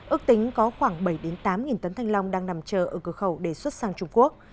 ước tính có khoảng bảy tám nghìn tấn thanh long đang nằm chờ ở cửa khẩu để xuất sang trung quốc